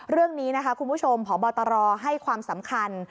เรื่องนี้คุณผู้ชมขอบอตรอให้ความสำคัญ